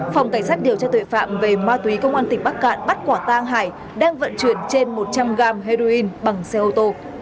phòng cảnh sát điều tra tuệ phạm về ma túy công an tỉnh bắc cạn bắt quả tang hải đang vận chuyển trên một trăm linh g heroin bằng xe ô tô